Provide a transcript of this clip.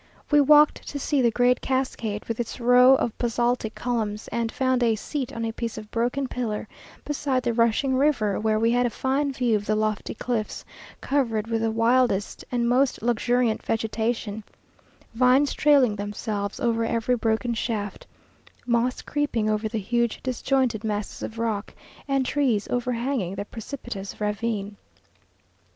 We walked to see the great cascade, with its row of basaltic columns, and found a seat on a piece of broken pillar beside the rushing river, where we had a fine view of the lofty cliffs, covered with the wildest and most luxuriant vegetation: vines trailing themselves over every broken shaft; moss creeping over the huge disjointed masses of rock; and trees overhanging the precipitous ravine.